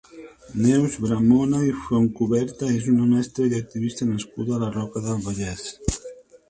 Neus Bramona i Fontcuberta és una mestra i activista nascuda a la Roca del Vallès.